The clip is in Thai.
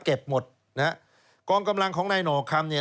เก็บหมดนะฮะกองกำลังของในหน่อคำเนี้ย